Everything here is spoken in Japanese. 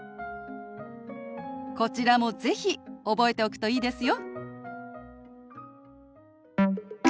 こちらも是非覚えておくといいですよ。